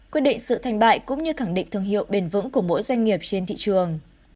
quyết định sự thành bại cũng như khẳng định thương hiệu bền vững của mỗi doanh nghiệp trên thị trường